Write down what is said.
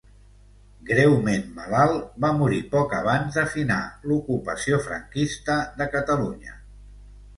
Greument malalt, va morir poc abans de finar l'ocupació franquista de Catalunya.